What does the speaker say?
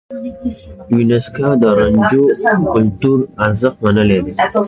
يونيسکو د رانجو کلتوري ارزښت منلی دی.